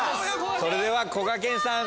それではこがけんさん